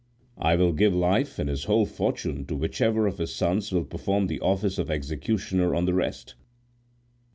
I will give life and his whole fortune to whichever of his sons will perform the office of executioner on the rest.